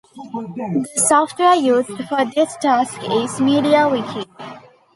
The software used for this task is MediaWiki.